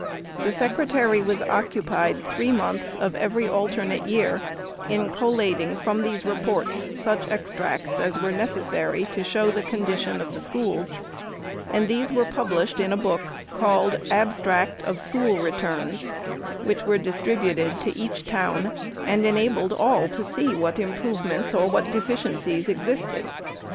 The Secretary was occupied three months of every alternate year in collating from these reports such extracts as were necessary to show the 9ondition of the schools ; and these were published in a book called " Abstract of School Returns," which were distributed to each town, and enabled all to see what improvements or what deficiencies existed.